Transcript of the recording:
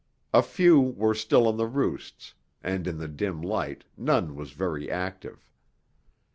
A few were still on the roosts, and in the dim light, none was very active.